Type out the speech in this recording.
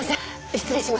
失礼します。